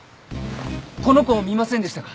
この子を見ませんでしたか！？